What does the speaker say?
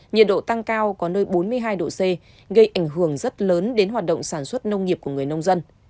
nhiệt độ tăng cao có nơi bốn mươi hai độ c gây ảnh hưởng rất lớn đến hoạt động sản xuất nông nghiệp của người nông dân